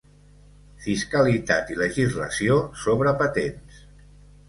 Fiscalitat i legislació sobre patents.